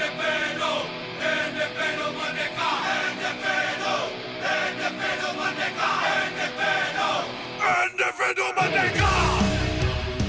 individu merdeka individu individu merdeka individu individu merdeka individu individu merdeka